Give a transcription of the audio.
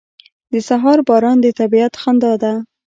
• د سهار باران د طبیعت خندا ده.